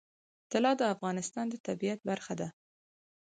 طلا د افغانستان د طبیعت برخه ده.